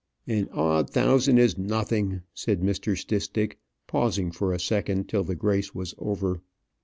"An odd thousand is nothing," said Mr. Stistick, pausing for a second till the grace was over.